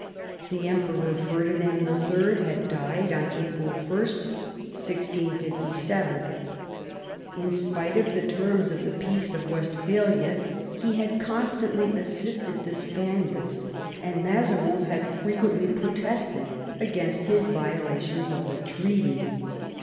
The Emperor Ferdinand III. had died on April 1, 1657. In spite of the terms of the Peace of Westphalia, he had constantly assisted the Spaniards, and Mazarin had frequently protested against his violations of the treaty.